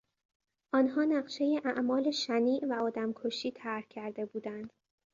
آنها نقشهی اعمال شنیع و آدمکشی طرح کرده بودند.